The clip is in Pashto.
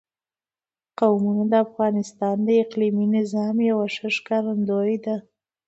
قومونه د افغانستان د اقلیمي نظام یوه ښه ښکارندوی ده.